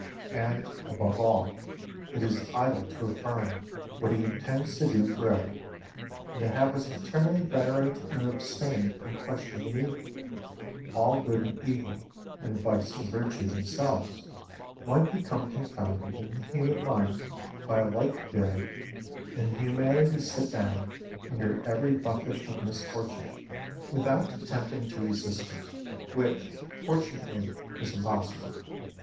And, above all, it is idle to affirm what he intends to do for ever, and to have us eternally venerate and abstain from questioning an evil. All good and evil, and vice and virtue themselves, might become confounded in the human mind by a like daring; and humanity sit down under every buffet of misfortune, without attempting to resist it: which, fortunately, is impossible.